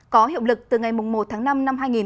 có hiệu lực từ ngày một tháng năm năm hai nghìn hai mươi